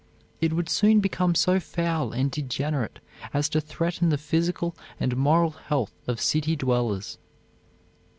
It would soon become so foul and degenerate as to threaten the physical and moral health of city dwellers.